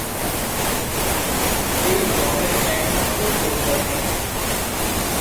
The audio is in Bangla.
এই গণের একমাত্র প্রজাতি।